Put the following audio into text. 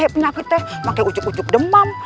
penyakitnya makin ujuk ucuk demam